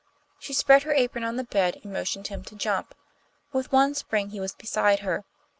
She spread her apron on the bed, and motioned him to jump. With one spring he was beside her.